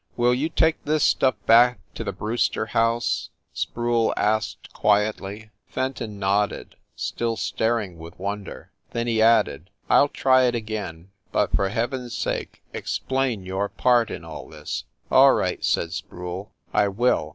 "Will you take this stuff back to the Brewster house ?" Sproule asked quietly. Fenton nodded, still staring with wonder. Then he added, "I ll try it again; but for heaven s sake explain your part in all this !" "All right," said Sproule. "I will.